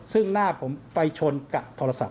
ซึ่งหน้าผมไปชนกับโทรศัพท์